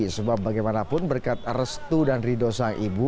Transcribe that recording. sebab bagaimanapun berkat restu dan ridho sang ibu